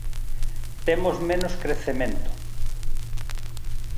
Temos menos crecemento.